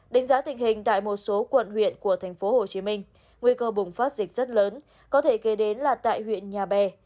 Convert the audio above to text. đánh giá tình hình tại một số quận huyện của tp hcm nguy cơ bùng phát dịch rất lớn có thể kế đến là tại huyện nhà bè